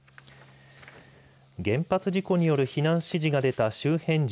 原発事故による避難指示が出た周辺１２